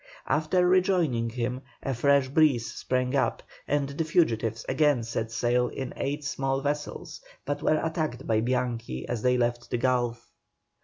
After rejoining him a fresh breeze sprang up, and the fugitives again set sail in eight small vessels, but were attacked by Bianchi as they left the Gulf.